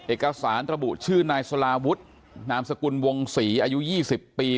เอกสารระบุชื่อนายสลาวุฒินามสกุลวงศรีอายุ๒๐ปี